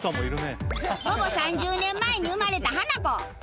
ほぼ３０年前に生まれたハナコ。